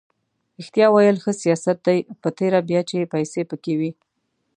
ریښتیا ویل ښه سیاست دی په تېره بیا چې پیسې پکې وي.